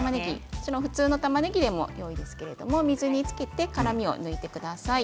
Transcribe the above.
もちろん普通のたまねぎでもいいですけど水につけて辛みを抜いてください。